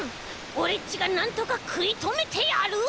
オレっちがなんとかくいとめてやる！